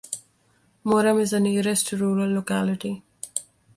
Murom is the nearest rural locality.